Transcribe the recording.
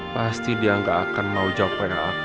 pasti dia gak akan mau jawab perang aku